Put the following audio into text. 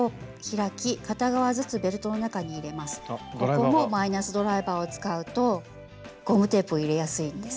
ここもマイナスドライバーを使うとゴムテープを入れやすいんです。